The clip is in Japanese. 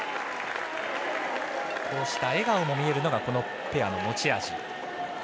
こうした笑顔も見えるのがこのペアの持ち味。